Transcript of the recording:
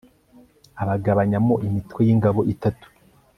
abagabanyamo imitwe y ingabo itatu